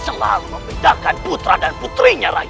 selalu membedakan putra dan putrinya rai